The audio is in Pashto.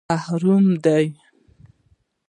_محرم دي؟